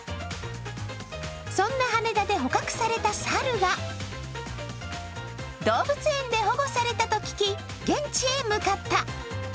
そんな羽田で捕獲された猿が動物園で保護されたと聞き、現地へ向かった。